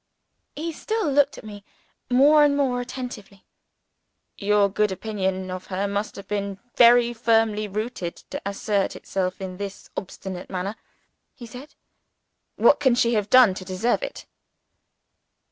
He still looked at me more and more attentively. "Your good opinion of her must have been very firmly rooted to assert itself in this obstinate manner," he said. "What can she have done to deserve it?"